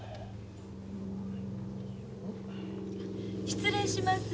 失礼します。